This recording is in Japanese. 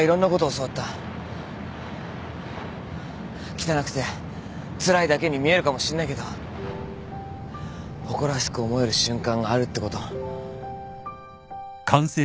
汚くてつらいだけに見えるかもしんないけど誇らしく思える瞬間があるってこと。